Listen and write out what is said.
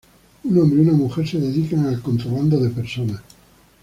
Un hombre y una mujer se dedican al contrabando de personas.